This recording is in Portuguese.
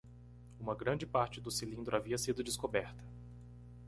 Uma grande parte do cilindro havia sido descoberta.